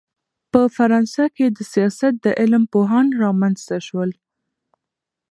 په فرانسه کښي دسیاست د علم پوهان رامنځ ته سول.